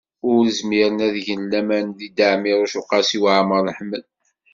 Ur zmiren ad gen laman deg Dda Ɛmiiruc u Qasi Waɛmer n Ḥmed.